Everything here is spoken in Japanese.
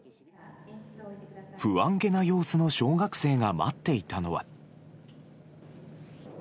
不安げな様子の小学生が待っていたのは。